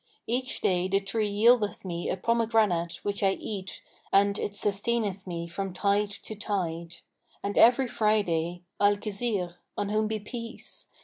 Each day the tree yieldeth me a pomegranate which I eat and it sustaineth me from tide to tide; and every Friday, Al Khizr (on whom be peace!)